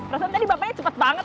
rasanya tadi bapaknya cepet banget